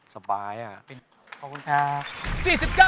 สบายอ่ะ